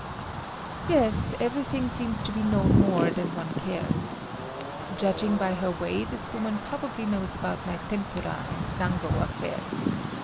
Yes, everything seems to be known more than one cares. Judging by her way, this woman probably knows about my tempura and dango affairs.